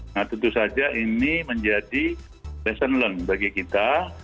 nah tentu saja ini menjadi lesson learned bagi kita